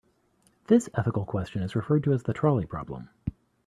This ethical question is referred to as the trolley problem.